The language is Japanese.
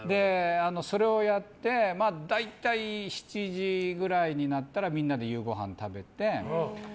それをやって大体７時ぐらいになったらみんなで夕ごはん食べて。